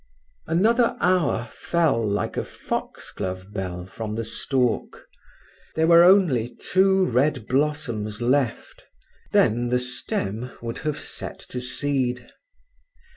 Another hour fell like a foxglove bell from the stalk. There were only two red blossoms left. Then the stem would have set to seed.